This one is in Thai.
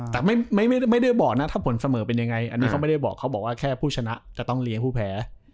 แต่ไม่ได้บอกนะถ้าผลเสมอเป็นยังไงอันนี้เขาไม่ได้บอกเขาบอกว่าแค่ผู้ชนะจะต้องเลี้ยงผู้แพ้